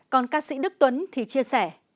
còn ca sĩ đức tuấn thì chia sẻ